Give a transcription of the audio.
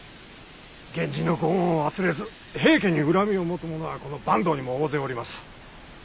源氏のご恩を忘れず平家に恨みを持つ者はこの坂東にも大勢おります。